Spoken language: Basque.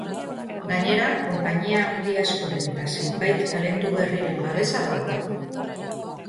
Gainera, konpainia handi askoren eta zenbait talentu berriren babesa dauka.